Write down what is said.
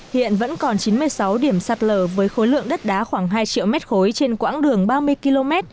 hiện vẫn còn chín mươi sáu điểm sạt lở với khối lượng đất đá khoảng hai triệu mét khối trên quãng đường ba mươi km